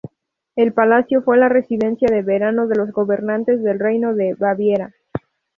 El palacio fue la residencia de verano de los gobernantes del Reino de Baviera.